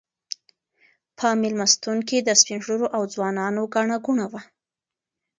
په مېلمستون کې د سپین ږیرو او ځوانانو ګڼه ګوڼه وه.